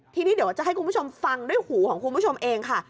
ทีนี้เดี๋ยวจะให้คุณผู้ชมฟังด้วยหูของคุณผู้ชมเองค่ะ